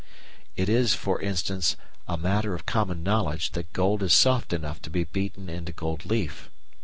It is, for instance, a matter of common knowledge that gold is soft enough to be beaten into gold leaf.